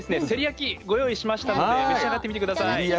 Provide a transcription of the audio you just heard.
せり焼きご用意しましたので召し上がってみて下さい。